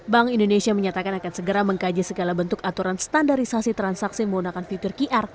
bank indonesia menyatakan akan segera mengkaji segala bentuk aturan standarisasi transaksi menggunakan fitur qr